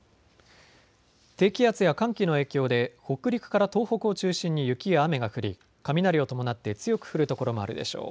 低気圧や寒気の影響で北陸から東北を中心に雪や雨が降り雷を伴って強く降る所もあるでしょう。